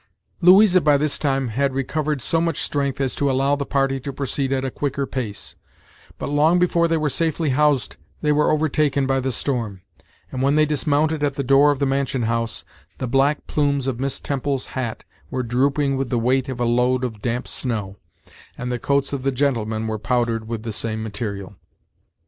Louisa by this time had recovered so much strength as to allow the party to proceed at a quicker pace, but long before they were safely housed they were overtaken by the storm; and when they dismounted at the door of the mansion house, the black plumes of Miss Temple's hat were drooping with the weight of a load of damp snow, and the coats of the gentlemen were powdered with the same material.